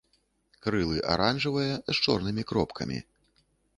Крылы аранжавыя з чорнымі кропкамі.